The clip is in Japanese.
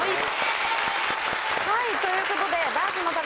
はいということで。